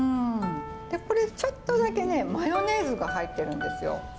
これちょっとだけねマヨネーズが入ってるんですよ。